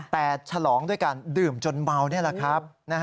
แต่ฉลองด้วยการดื่มจนเมานี่แหละครับ